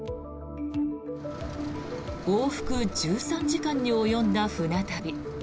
往復１３時間に及んだ船旅。